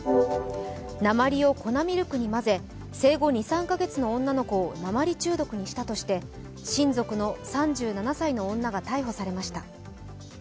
鉛を粉ミルクに混ぜ生後２３か月の女の子を鉛中毒にしたとして、親族の３７歳の女が逮捕されました。